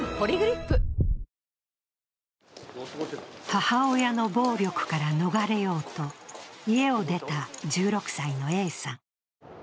母親の暴力からは逃れようと家を出た１６歳のＡさん。